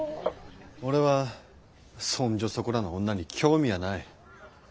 俺はそんじょそこらの女に興味はない。